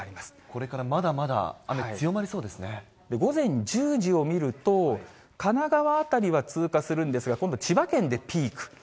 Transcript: これからまだまだ雨、強まり午前１０時を見ると、神奈川辺りは通過するんですが、今度、千葉県でピーク。